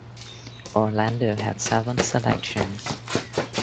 Orlando had seven selections.